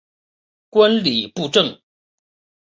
观礼部政。